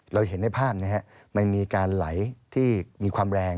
เราเห็นในภาพมันมีการไหลที่มีความแรง